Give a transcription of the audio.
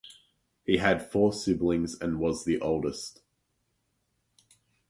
He had four siblings and was the oldest.